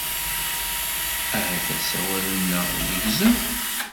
Ahat asawal-nneɣ yegzem!